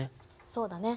そうだね。